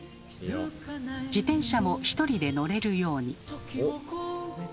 自転車も一人で乗れるように。